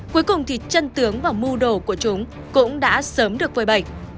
cuối cùng thì chân tướng và mu đồ của chúng cũng đã sớm được vơi bẩy